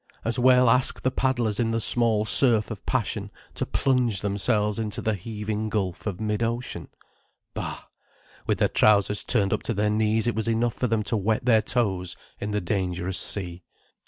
As well ask the paddlers in the small surf of passion to plunge themselves into the heaving gulf of mid ocean. Bah, with their trousers turned up to their knees it was enough for them to wet their toes in the dangerous sea.